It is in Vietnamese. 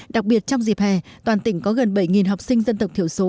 đặc biệt trong dịp hè toàn tỉnh có gần bảy học sinh dân tộc thiểu số